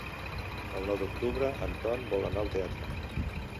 El nou d'octubre en Ton vol anar al teatre.